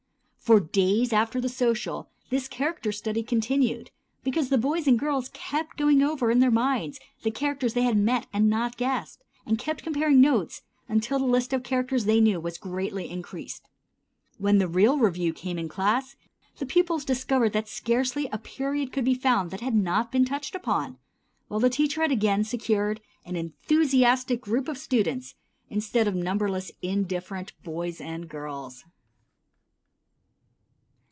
For days after the social this character study continued, because the boys and girls kept going over in their minds the characters they had met and not guessed, and kept comparing notes until the list of characters they knew was greatly increased. When the real review came in class, the pupils discovered that scarcely a period could be found that had not been touched upon, while the teacher had again secured an enthusiastic group of students instead of numberless indifferent boys and girls.